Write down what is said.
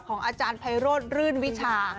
อาจารย์ไพโรธรื่นวิชา